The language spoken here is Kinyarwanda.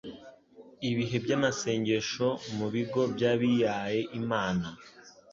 ibihe by'amasengesho mu bigo by'abiaye Imana